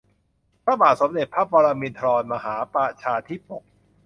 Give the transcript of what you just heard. พระบาทสมเด็จพระปรมินทรมหาประชาธิปก